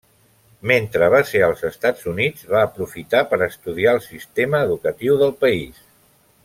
Mentre va ser als Estats Units, va aprofitar per estudiar el sistema educatiu del país.